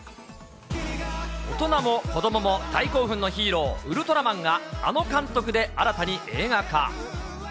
大人も子どもも大興奮のヒーロー、ウルトラマンがあの監督で新たに映画化。